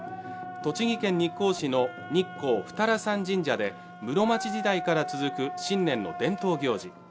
栃木県日光市の日光二荒山神社で室町時代から続く新年の伝統行事